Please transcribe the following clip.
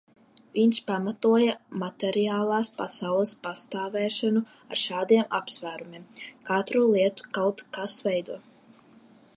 Viņš pamatoja materiālās pasaules pastāvēšanu ar šādiem apsvērumiem: katru lietu kaut kas veido.